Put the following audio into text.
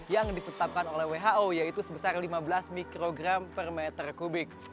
yang ditetapkan oleh who yaitu sebesar lima belas mikrogram per meter kubik